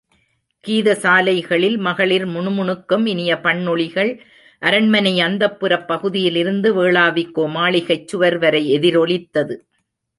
கீதசாலைகளில் மகளிர் முணுமுணுக்கும் இனிய பண்ணொலிகள் அரண்மனை அந்தப்புரப் பகுதியிலிருந்து வேளாவிக்கோ மாளிகைச் சுவர் வரை எதிரொலித்தது.